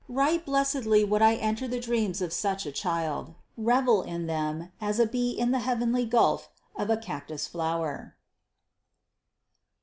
Right blessedly would I enter the dreams of such a child revel in them, as a bee in the heavenly gulf of a cactus flower.